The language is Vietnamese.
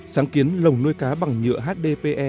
sáng kiến lồng nuôi cá bằng nhựa hdpe